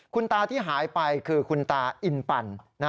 คุณตาที่หายไปคือคุณตาอินปั่น